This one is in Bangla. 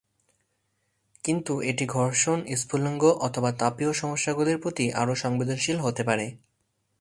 কিন্তু, এটি ঘর্ষণ, স্ফুলিঙ্গ অথবা তাপীয় সমস্যাগুলির প্রতি আরও সংবেদনশীল হতে পারে।